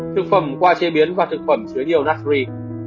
thực phẩm qua chế biến và thực phẩm chứa nhiều nasry